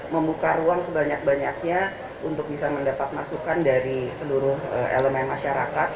membuka ruang sebanyak banyaknya untuk bisa mendapat masukan dari seluruh elemen masyarakat